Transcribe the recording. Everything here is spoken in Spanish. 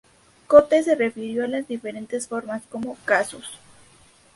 Cotes se refirió a las diferentes formas como 'Casos'.